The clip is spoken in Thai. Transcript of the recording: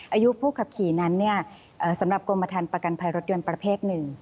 อายุผู้ขับขี่นั้นสำหรับกรมฐานประกันภัยรถยนต์ประเภทหนึ่ง